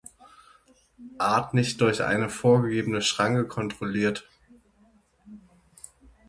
Art nicht durch eine vorgegebene Schranke kontrolliert.